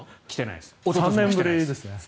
来てないです。